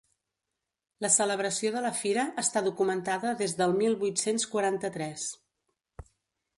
La celebració de la Fira està documentada des del mil vuit-cents quaranta-tres.